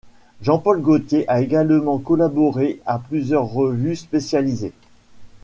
Jean-Paul Gautier a également collaboré à plusieurs revues spécialisées.